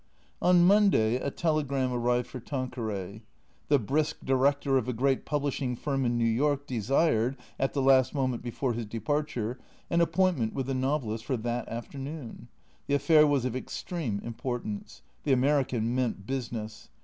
On Monday a telegram arrived for Tanqueray. The brisk director of a great publishing firm in New York desired (at the last moment before his departure) an appointment with the novelist for that afternoon. The affair was of extreme impor tance. The American meant business.